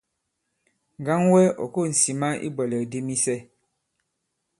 Ŋgaŋ wɛ ɔ̀ ko᷇s ŋsìma i ibwɛ̀lɛ̀k di misɛ.